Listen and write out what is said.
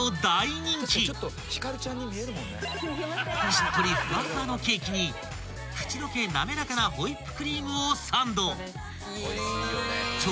［しっとりふわふわのケーキに口どけ滑らかなホイップクリームをサンド］